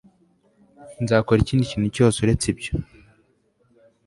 nzakora ikindi kintu cyose uretse ibyo